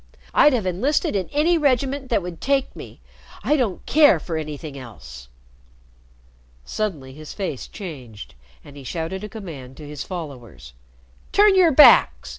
"I'd have enlisted in any regiment that would take me. I don't care for anything else." Suddenly his face changed, and he shouted a command to his followers. "Turn your backs!"